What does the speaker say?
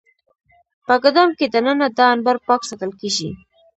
په ګدام کې دننه دا انبار پاک ساتل کېږي.